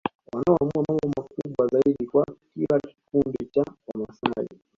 Wanaoamua mambo makubwa zaidi kwa kila kikundi cha Wamasai